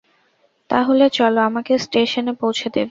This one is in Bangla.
তা হলে চলো, আমাকে স্টেশনে পৌঁছে দেবে।